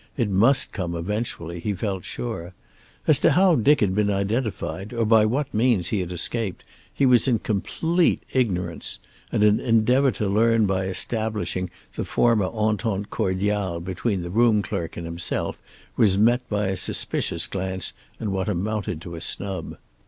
It must come eventually, he felt sure. As to how Dick had been identified, or by what means he had escaped, he was in complete ignorance; and an endeavor to learn by establishing the former entente cordiale between the room clerk and himself was met by a suspicious glance and what amounted to a snub.